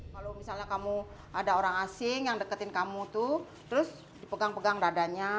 kalau misalnya kamu ada orang asing yang deketin kamu tuh terus dipegang pegang dadanya